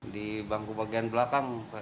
di bangku bagian belakang